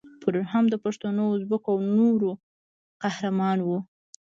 پرون هم د پښتنو، ازبکو او نورو قهرمان وو.